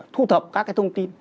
thu thập các cái thông tin